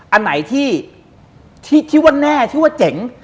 อันไหนที่ที่ว่าแน่ที่ว่าเจ๋ง